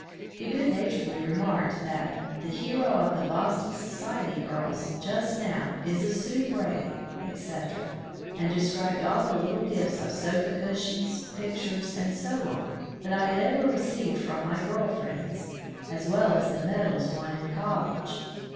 He good naturedly remarked that "the hero of the Boston society girls just now is a Sioux brave", etc. and described all the little gifts of sofa cushions, pictures, and so on, that I had ever received from my girl friends, as well as the medals won in college.